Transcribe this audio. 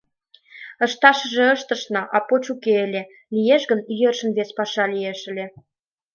— Ышташыже ыштышна, а поч уке ыле, лиеш гын йӧршын вес паша лиеш ыле!